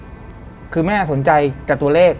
คือแม่สนใจกับตัวเลข